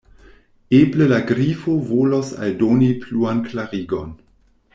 Eble la Grifo volos aldoni pluan klarigon.